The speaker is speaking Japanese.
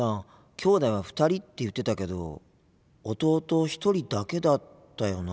きょうだいは２人って言ってたけど弟１人だけだったよな。